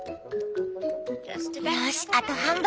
よしあと半分！